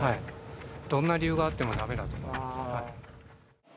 どんな理由があっても駄目だと思います。